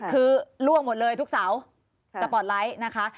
คือล่วงหมดเลยทุกเสาสปอร์ตไลท์นะคะ